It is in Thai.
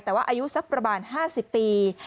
แต่ว่าอายุสักประมาณ๕๐ปี